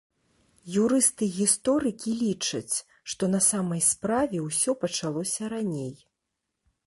Юрысты-гісторыкі лічаць, што на самай справе ўсё пачалося раней.